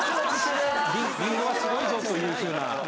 りんごはすごいぞというふうな。